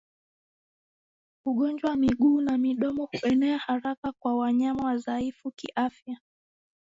Ugonjwa wa miguu na midomo huenea haraka kwa wanyama wadhaifu kiafya